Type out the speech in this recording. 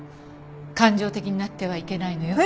感情的になってはいけないのよ。